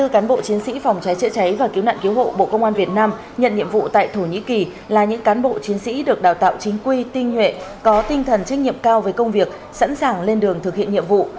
hai mươi cán bộ chiến sĩ phòng cháy chữa cháy và cứu nạn cứu hộ bộ công an việt nam nhận nhiệm vụ tại thổ nhĩ kỳ là những cán bộ chiến sĩ được đào tạo chính quy tinh nhuệ có tinh thần trách nhiệm cao với công việc sẵn sàng lên đường thực hiện nhiệm vụ